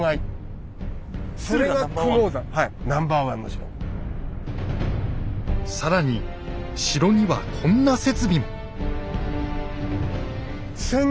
恐らく更に城にはこんな設備も。